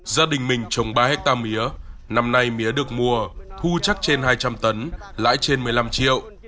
gia đình mình trồng ba hectare mía năm nay mía được mua thu chắc trên hai trăm linh tấn lãi trên một mươi năm triệu